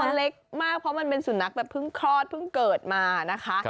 มันเล็กมากเพราะมันเป็นสุนัขแบบเพิ่งคลอดเพิ่งเกิดมานะคะ